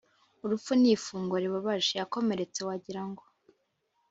urupfu ni igufwa ribabaje; yakomeretse, wagira ngo,